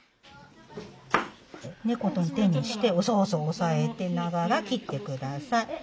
猫の手にしてそうそう押さえてながら切って下さい。